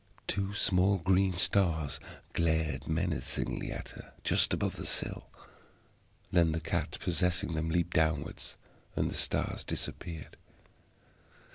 Two small green stars glared menacingly at her just above the sill; then the cat possessing them leaped downward, and the stars disappeared.